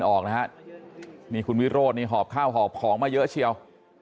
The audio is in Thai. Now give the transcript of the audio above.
ออกนะฮะนี่คุณวิโรธนี่หอบข้าวหอบของมาเยอะเชียว